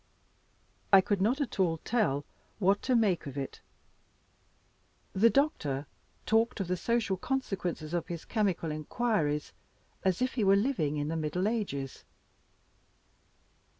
I could not at all tell what to make of it. The doctor talked of the social consequences of his chemical inquiries as if he were living in the middle ages.